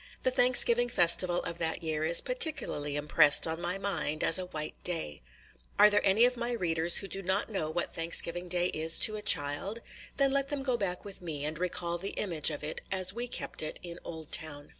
The Thanksgiving festival of that year is particularly impressed on my mind as a white day. Are there any of my readers who do not know what Thanksgiving day is to a child? Then let them go back with me, and recall the image of it as we kept it in Oldtown.